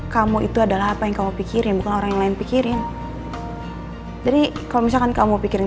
kamu itu adalah apa yang kamu pikirin bukan orang yang lain pikirin jadi kalau misalkan kamu pikirin